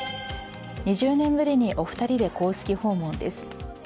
２０年ぶりにお二人で公式訪問です。